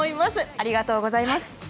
ありがとうございます。